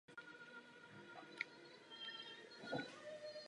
Ještě jedna, poslední poznámka týkající se inteligentního zeleného růstu.